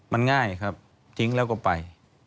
มันง่ายครับทิ้งแล้วก็ไป